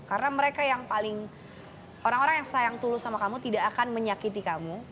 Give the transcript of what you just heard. karena mereka yang paling orang orang yang sayang dulu sama kamu tidak akan menyakiti kamu